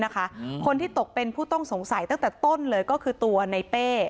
คนที่ตกเป็นผู้ต้องสงสัยตั้งแต่ต้นเลยก็คือตัวในเป้